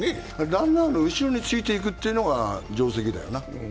ランナーの後ろについていくというのが定石だよな。